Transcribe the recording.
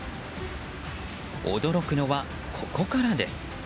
驚くのは、ここからです。